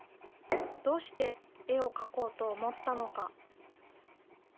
どうして絵を描こうと思ったのか。